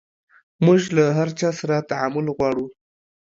موژ له هر چا سره تعامل غواړو